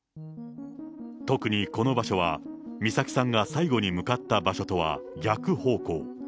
特にこの場所は美咲さんが最後に向かった場所とは逆方向。